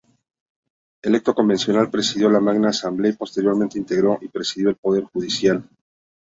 Electo convencional, presidió la magna asamblea y, posteriormente, integró y presidió el Poder Judicial.